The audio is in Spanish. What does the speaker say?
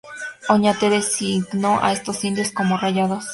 Oñate designó a estos indios como "rayados.